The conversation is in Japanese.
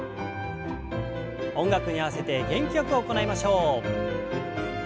音楽に合わせて元気よく行いましょう。